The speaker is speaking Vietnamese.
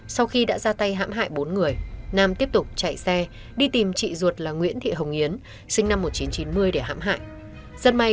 sau khi đã ra tay hãm hại bốn người nam tiếp tục chạy xe đi tìm chị ruột là nguyễn thị hồng yến sinh năm một nghìn chín trăm chín mươi để hãm hại